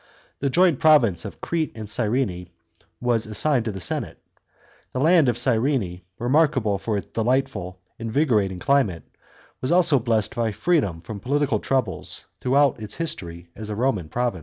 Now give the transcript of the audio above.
The joint province of " Crete and Gyrene " was assigned to the senate. The land of Cyrene, remarkable for its delightful, invigorating climate, was also blessed by freedom from political troubles throughout its history as a Roman province.